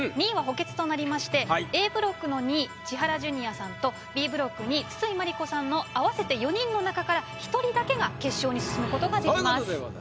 ２位は補欠となりましてＡブロックの２位千原ジュニアさんとＢブロック２位筒井真理子さんの合わせて４人の中から１人だけが決勝に進む事ができます。